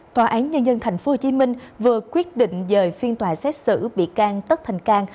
tòa án nhân dân tp hcm vừa quyết định dời phiên tòa xét xử bị can tất thành can